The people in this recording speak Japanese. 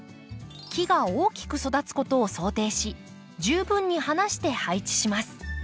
木が大きく育つことを想定し十分に離して配置します。